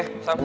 pada saat ini